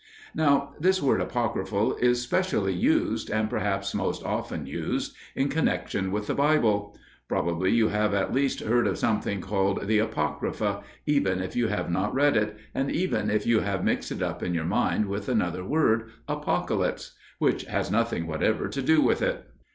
Now this word apocryphal is specially used, and perhaps most often used, in connection with the Bible. Probably you have at least heard of something called "the Apocrypha," even if you have not read it, and even if you have mixed it up in your mind with another word, Apocalypse, which has nothing whatever to do with it.